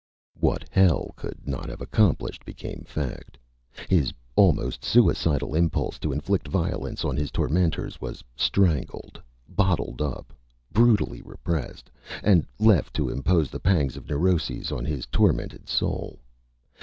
What hell could not have accomplished, became fact. His almost suicidal impulse to inflict violence on his tormenters was strangled, bottled up brutally repressed, and left to impose the pangs of neurosis on his tormented soul.